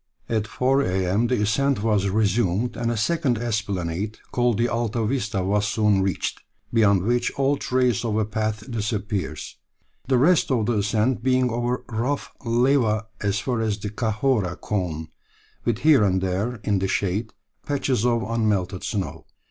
At four a.m. the ascent was resumed, and a second esplanade, called the Alta Vista, was soon reached, beyond which all trace of a path disappears, the rest of the ascent being over rough lava as far as the Chahorra Cone, with here and there, in the shade, patches of unmelted snow.